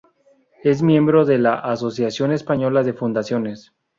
Es miembro de la Asociación Española de Fundaciones.